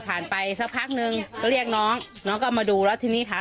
ไปสักพักนึงก็เรียกน้องน้องก็มาดูแล้วทีนี้ค่ะ